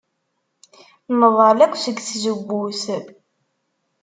Nḍall akk seg tzewwut.